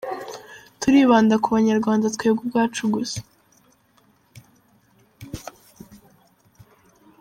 Turibanda ku Abanyarwanda twebwe ubwacu gusa.